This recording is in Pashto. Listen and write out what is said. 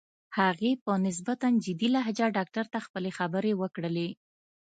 هغې په نسبتاً جدي لهجه ډاکټر ته خپلې خبرې وکړې.